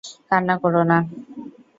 কান্না করো না।